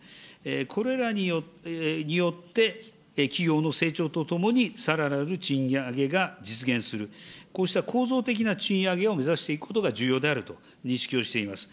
これらによって、企業の成長とともにさらなる賃上げが実現する、こうした構造的な賃上げを目指していくことが重要であると認識をしています。